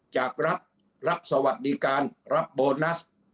จากรัฐรับสวัสดิการรับโบนัส